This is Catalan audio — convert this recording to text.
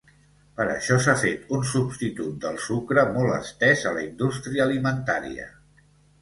Per això, s'ha fet un substitut del sucre molt estès a la indústria alimentària.